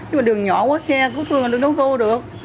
nhưng mà đường nhỏ quá xe cứu thương là nó đâu vô được